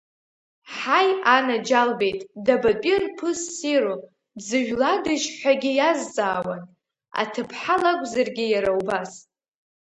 Ҳаи анаџьалбеит дабатәи рԥыс ссиру, дзыжәладашь ҳәагьы иазҵаауан, аҭыԥҳа лакәзаргьы иара убас.